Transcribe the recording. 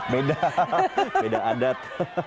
beda beda adat